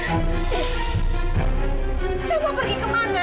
saya mau pergi kemana